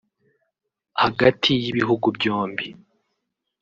hagati y’ibihugu byombi